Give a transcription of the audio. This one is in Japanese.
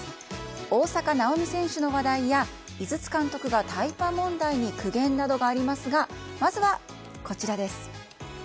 大坂なおみ選手の話題や井筒監督がタイパ問題に苦言などがありますがまずは、こちらです。